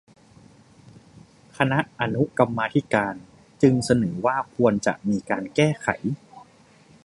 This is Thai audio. คณะอนุกรรมาธิการจึงเสนอว่าควรจะมีการแก้ไข